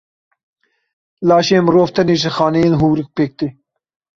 Laşê mirov tenê ji xaneyên hûrik pêk tê.